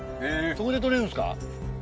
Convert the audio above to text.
そこで採れるんですか？